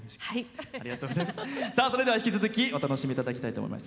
それでは引き続きお楽しみいただきたいと思います。